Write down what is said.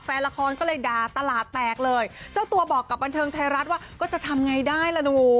แฟนละครก็เลยด่าตลาดแตกเลยเจ้าตัวบอกกับบันเทิงไทยรัฐว่าก็จะทำไงได้ล่ะหนู